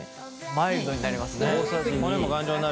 マイルドになりますね。